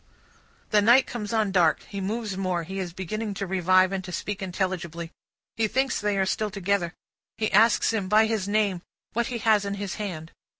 The night comes on dark. He moves more; he is beginning to revive, and to speak intelligibly; he thinks they are still together; he asks him, by his name, what he has in his hand.